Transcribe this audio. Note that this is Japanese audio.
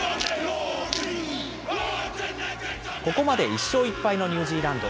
ここまで１勝１敗のニュージーランド。